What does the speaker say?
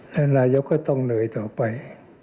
นายกก็ต้องเหนื่อยต่อไป